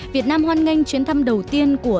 việt nam hoan nghênh chuyến thăm đầu tiên của